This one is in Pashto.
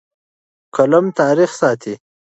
قلم تاریخ ساتي.